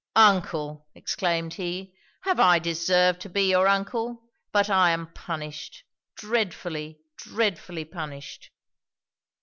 'Uncle!' exclaimed he. 'Have I deserved to be your uncle? But I am punished dreadfully, dreadfully punished!'